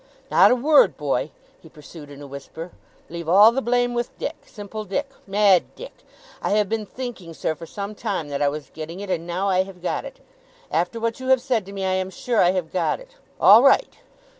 'Not a word, boy!' he pursued in a whisper; 'leave all the blame with Dick simple Dick mad Dick. I have been thinking, sir, for some time, that I was getting it, and now I have got it. After what you have said to me, I am sure I have got it. All right!